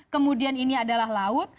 kemudian ini adalah laut